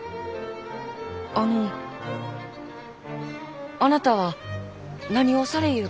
あのあなたは何をされゆう方ながですか？